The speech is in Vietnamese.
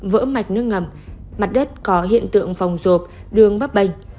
vỡ mạch nước ngầm mặt đất có hiện tượng vòng rộp đường bắp bềnh